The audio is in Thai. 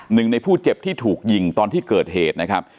หนึ่งในผู้เจ็บที่ถูกยิงตอนที่เกิดเหตุนะครับ